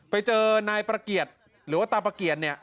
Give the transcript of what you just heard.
ไปเจอนายประเกียจหรือว่าตาประเกียจเนี่ย